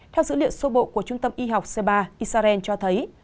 theo dữ liệu sâu bộ của trung tâm y học c ba israel cho thấy